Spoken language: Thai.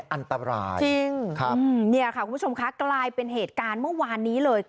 อันตรายจริงครับเนี่ยค่ะคุณผู้ชมคะกลายเป็นเหตุการณ์เมื่อวานนี้เลย